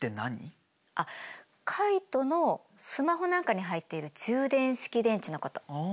あっカイトのスマホなんかに入っている充電式電池のこと。